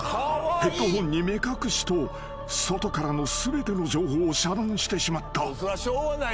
［ヘッドホンに目隠しと外からの全ての情報を遮断してしまった］